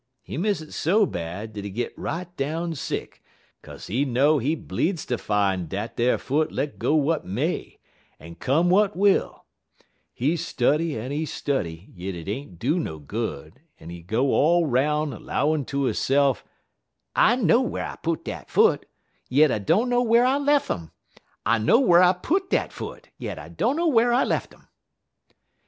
He miss it so bad dat he git right down sick, 'kaze he know he bleedz ter fine dat ar foot let go w'at may, let come w'at will. He study en he study, yit 't ain't do no good, en he go all 'roun' 'lowin' ter hisse'f: "'I know whar I put dat foot, yit I dunner whar I lef' um; I know whar I put dat foot, yit I dunner whar I lef' um.'